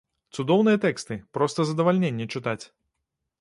Цудоўныя тэксты, проста задавальненне чытаць.